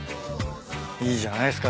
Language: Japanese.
いいじゃないっすか。